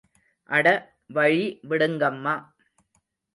அட வழி விடுங்கம்மா.